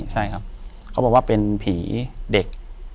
ใช่ครับเขาบอกว่าเป็นผีเด็ก